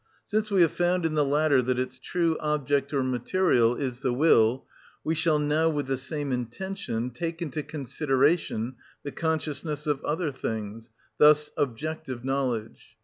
Since we have found in the latter that its true object or material is the will, we shall now, with the same intention, take into consideration the consciousness of other things, thus objective knowledge.